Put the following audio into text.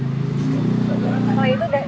pss ini kondisinya